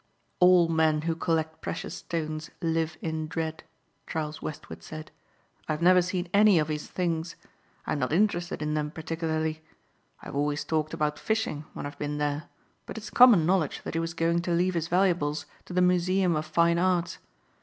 "All men who collect precious stones live in dread," Charles Westward said. "I've never seen any of his things. I'm not interested in them particularly. I've always talked about fishing when I've been there, but it's common knowledge that he was going to leave his valuables to the Museum of Fine Arts.